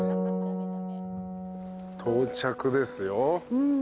到着ですよ。